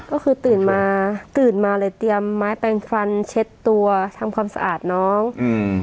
ก็คือตื่นมาตื่นมาเลยเตรียมไม้แปลงฟันเช็ดตัวทำความสะอาดน้องอืม